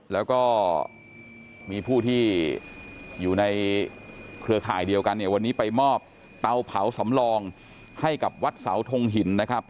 แล้วก็มีผู้ที่อยู่ในเครือข่ายเดียวกันเนี่ยวันนี้ไปมอบเตาเผาสำรองให้กับวัดเสาทงหินนะครับ